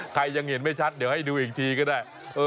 ยังเห็นไม่ชัดเดี๋ยวให้ดูอีกทีก็ได้